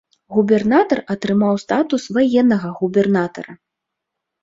Губернатар атрымаў статус ваеннага губернатара.